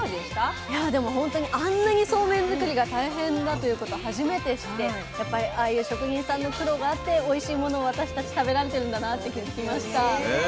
いやでもほんとにあんなにそうめん作りが大変だということ初めて知ってやっぱりああいう職人さんの苦労があっておいしいものを私たち食べられてるんだなって気付きました。